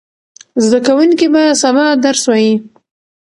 زده کوونکي به سبا درس وایي.